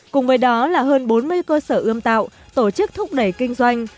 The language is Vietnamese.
cùng với đó là hơn bốn mươi cơ sở ươm tạo tổ chức thúc đẩy kinh doanh